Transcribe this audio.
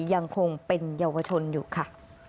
ยังคงเป็นเยาวชนอยู่ค่ะ